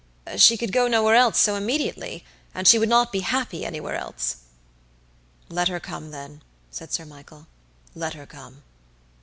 "She could go nowhere else so immediately, and she would not be happy anywhere else." "Let her come, then," said Sir Michael, "let her come."